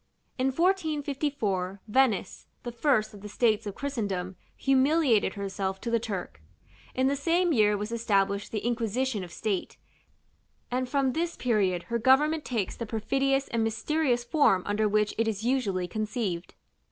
In 1454, Venice, the first of the states of Christendom, humiliated herself to the Turk: in the same year was established the Inquisition of State, and from this period her government takes the perfidious and mysterious form under which it is usually conceived.